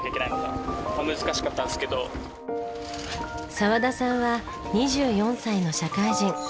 澤田さんは２４歳の社会人。